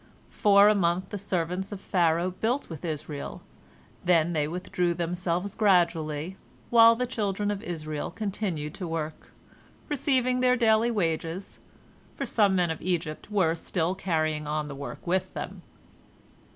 For a month the servants of Pharaoh built with Israel, then they withdrew themselves gradually, while the children of Israel continued to work, receiving their daily wages, for some men of Egypt were still carrying on the work with them.